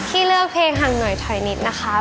ที่เลือกเพลงห่างหน่อยถอยนิดนะคะ